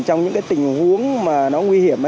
trong những cái tình huống mà nó nguy hiểm